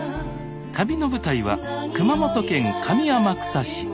旅の舞台は熊本県上天草市。